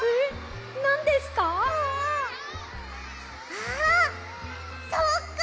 あっそっか。